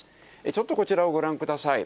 ちょっとこちらをご覧ください。